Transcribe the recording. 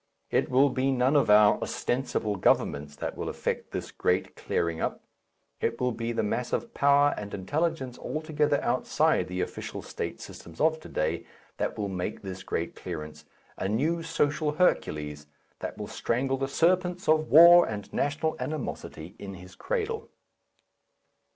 It will be none of our ostensible governments that will effect this great clearing up; it will be the mass of power and intelligence altogether outside the official state systems of to day that will make this great clearance, a new social Hercules that will strangle the serpents of war and national animosity in his cradle.